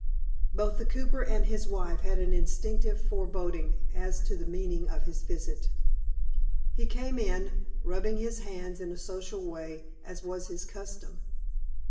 Both the cooper and his wife had an instinctive foreboding as to the meaning of his visit. He came in, rubbing his hands in a social way, as was his custom.